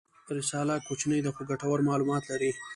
رساله کوچنۍ ده خو ګټور معلومات لري.